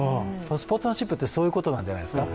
スポーツマンシップってそういうことなんじゃないですか。